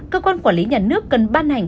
cơ quan quản lý nhà nước cần ban hành